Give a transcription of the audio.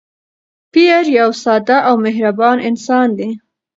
پییر یو ساده او مهربان انسان دی.